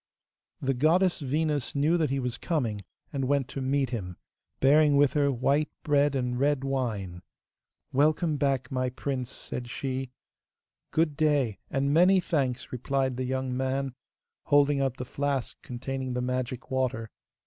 The goddess Venus knew that he was coming, and went to meet him, bearing with her white bread and red wine. 'Welcome back, my prince,' said she. 'Good day, and many thanks,' replied the young man, holding out the flask containing the magic water.